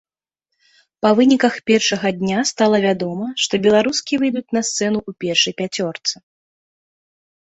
Па выніках першага дня стала вядома, што беларускі выйдуць на сцэну ў першай пяцёрцы.